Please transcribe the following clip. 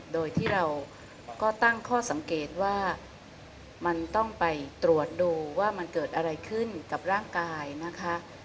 โดยที่เราก็ตั้งข้อสังเกตว่ามันต้องไปตรวจดูว่ามันเกิดอะไรขึ้นกับร่างกายนะคะ